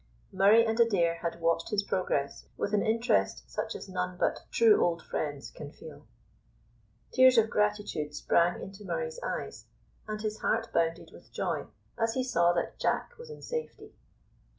Murray and Adair had watched his progress with an interest such as none but true old friends can feel. Tears of gratitude sprang into Murray's eyes, and his heart bounded with joy as he saw that Jack was in safety.